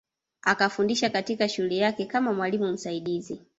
Akafundisha katika shule yake kama mwalimu msaidizi